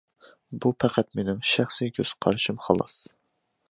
بۇ پەقەت مىنىڭ شەخسى كۆز قارىشىم خالاس.